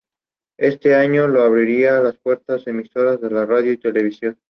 Este trabajo, le abriría las puertas de emisoras de radio y televisión.